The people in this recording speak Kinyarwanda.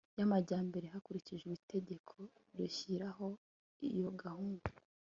y amajyambere hakurikijwe itegeko rishyiraho iyo gahunda